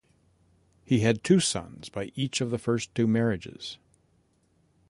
He had two sons by each of the first two marriages.